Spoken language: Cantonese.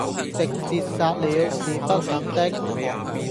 直捷殺了，是不肯的，